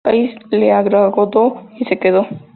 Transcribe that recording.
El país le agradó y se quedó.